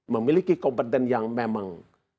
memiliki kompeten yang memang